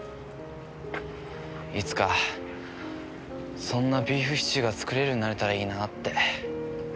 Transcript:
いつかそんなビーフシチューが作れるようになれたらいいなって。